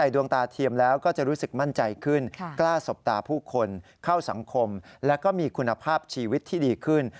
ดวงตาผู้คนเข้าสังคมและก็มีคุณภาพชีวิตที่ดีขึ้น